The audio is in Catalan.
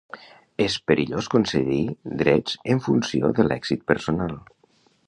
És perillós concedir drets en funció de l'èxit personal.